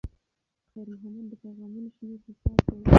خیر محمد د پیغامونو شمېر حساب کړ.